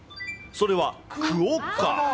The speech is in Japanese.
それは、クオッカ。